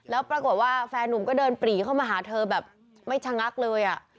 แล้วปรากฏว่าแฟนนุ่มก็เดินปรีเข้ามาหาเธอแบบไม่ชะงักเลย